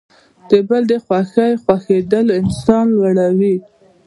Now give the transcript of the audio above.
د بل د خوښۍ خوښیدل انسان لوړوي.